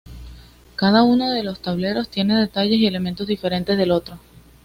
Cada uno de los tableros tiene detalles y elementos diferentes del otro.